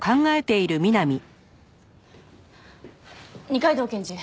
二階堂検事。